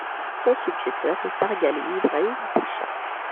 Son successeur est Pargali Ibrahim Pacha.